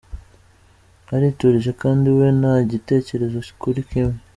Ariturije kandi we ntagitekereza kuri Kim.